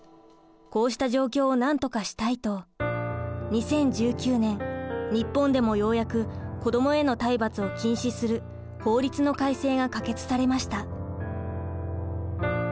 こうした状況をなんとかしたいと２０１９年日本でもようやく子どもへの体罰を禁止する法律の改正が可決されました。